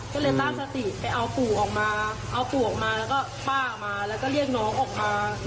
ก็เลยตั้งสติไปเอาปู่ออกมาเอาปู่ออกมาแล้วก็ป้าออกมาแล้วก็เรียกน้องออกมา